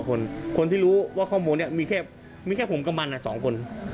คนที่รู้ว่าข้อมูลเนี่ยมีแค่ผมกับมันอ่ะ๒คน